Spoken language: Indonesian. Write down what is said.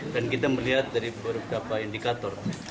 dan kita melihat dari beberapa indikator